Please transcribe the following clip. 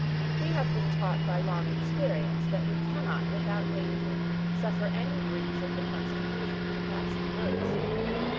We have been taught by long experience that we cannot without danger suffer any breach of the constitution to pass unnoticed.